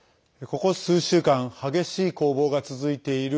ここ数週間激しい攻防が続いている